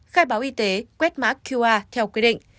khai báo y tế quét mã qr theo quy định